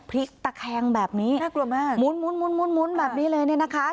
พลิกตะแคงแบบนี้น่ากลัวมากหมุนหมุนหมุนหมุนหมุนแบบนี้เลยนี่นะคะ